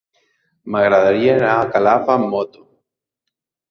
M'agradaria anar a Calaf amb moto.